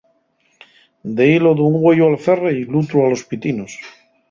D'ehí lo d’un güeyu al ferre y l'utru a los pitinos.